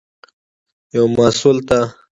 یو محصول ته